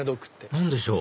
何でしょう？